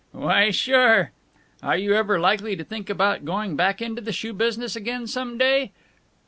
"Why, sure." "Are you ever likely to think about going back into the shoe business again, some day?